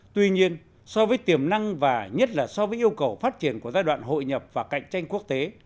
tuy nhiên so với tiềm năng và nhất là so với yêu cầu phát triển của giai đoạn hội nhập và cạnh tranh quốc tế